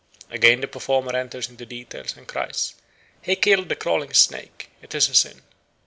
Again the performer enters into details, and cries, 'He killed the crawling snake. It is a sin.'